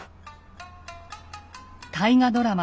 大河ドラマ